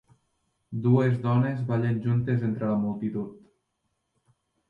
Dues dones ballen juntes entre la multitud.